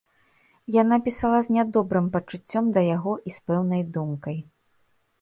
Яна пісала з нядобрым пачуццём да яго і з пэўнай думкай.